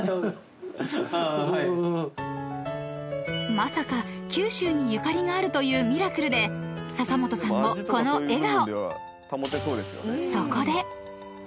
［まさか九州にゆかりがあるというミラクルで笹本さんもこの笑顔］